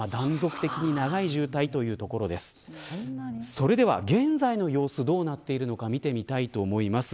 それでは現在の様子どうなっているのか見てみたいと思います。